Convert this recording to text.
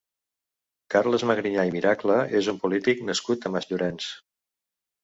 Carles Magriñà i Miracle és un polític nascut a Masllorenç.